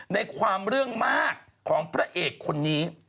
ในความเรื่องมากของพระเอกคนนี้